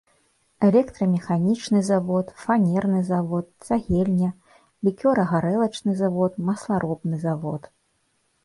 Электрамеханічны завод, фанерны завод, цагельня, лікёрагарэлачны завод, масларобны завод.